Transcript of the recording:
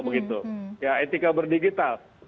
begitu ya etika berdigital